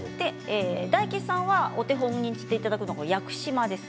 大吉さんにお手本にしていただくのが屋久島です。